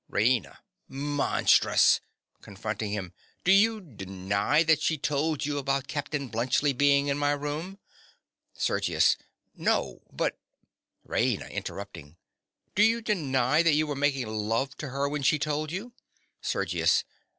RAINA. Monstrous! (Confronting him.) Do you deny that she told you about Captain Bluntschli being in my room? SERGIUS. No; but— RAINA. (interrupting). Do you deny that you were making love to her when she told you? SERGIUS.